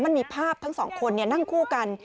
มันมีภาพทั้งสองคนนั่งคู่กัน